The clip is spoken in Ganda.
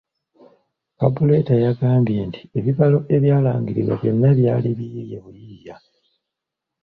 Kabuleta yagambye nti ebibalo ebyalangirirwa byonna byali biyiiye buyiiya.